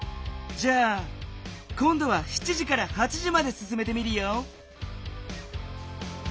じゃあこんどは７時から８時まですすめてみるよ。